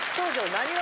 なにわ